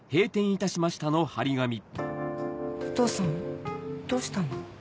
お父さんどうしたの？